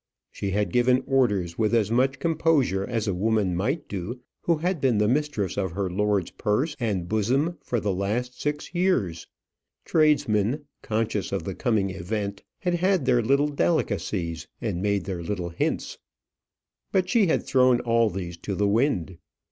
She had given orders with as much composure as a woman might do who had been the mistress of her lord's purse and bosom for the last six years. Tradesmen, conscious of the coming event, had had their little delicacies and made their little hints. But she had thrown all these to the wind.